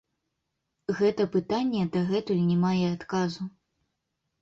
Гэта пытанне дагэтуль не мае адказу.